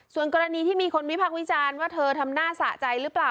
ส่วนกรณีที่มีคนวิพักษ์วิจารณ์ว่าเธอทำหน้าสะใจหรือเปล่า